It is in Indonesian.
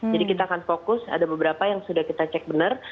jadi kita akan fokus ada beberapa yang sudah kita cek bener